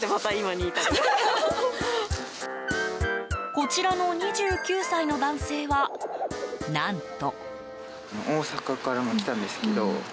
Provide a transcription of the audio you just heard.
こちらの２９歳の男性は何と。